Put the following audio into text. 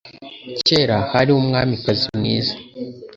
Kera, hariho umwamikazi mwiza.